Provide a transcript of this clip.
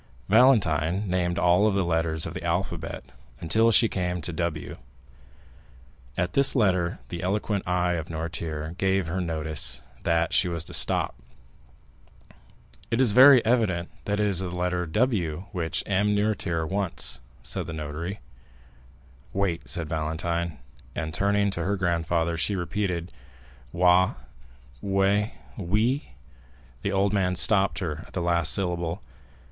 Valentine named all the letters of the alphabet until she came to W. At this letter the eloquent eye of Noirtier gave her notice that she was to stop. "It is very evident that it is the letter W which M. Noirtier wants," said the notary. "Wait," said Valentine; and, turning to her grandfather, she repeated, "Wa—We—Wi——" The old man stopped her at the last syllable.